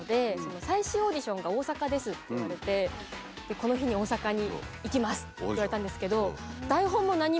この日に大阪に行きますって言われたんですけど。